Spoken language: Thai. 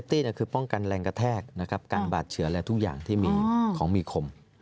เซฟตี้คือป้องกันแรงกระแทกกันบาดเชือและทุกอย่างที่มีของมีคม